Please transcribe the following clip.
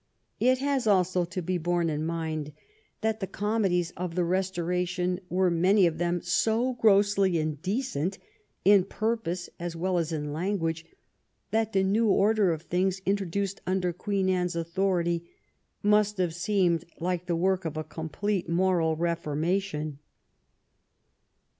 It has also to be borne in mind that the comedies of the Restoration were many of them so grossly indecent, in purpose as well as in language, that the new order of things, introduced under Queen Anne's authority, must have seemed like the work of a complete moral reformation.